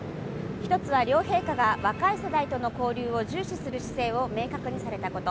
１つは両陛下が若い世代との交流を重視する姿勢を明確にされたこと。